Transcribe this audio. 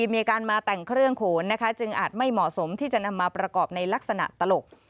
มีการมาแต่งเครื่องโขนจึงอาจไม่เหมาะสมที่จะนำมาประกอบในลักษณะตลก